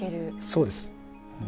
そうです。